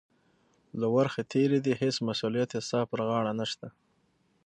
له ورخه تېرې دي، هېڅ مسؤلیت یې ستا پر غاړه نشته.